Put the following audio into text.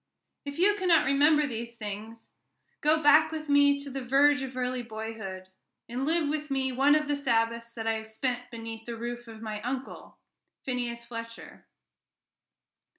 If you cannot remember these things, go back with me to the verge of early boyhood, and live with me one of the Sabbaths that I have spent beneath the roof of my uncle, Phineas Fletcher.